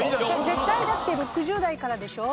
絶対だって６０代からでしょ？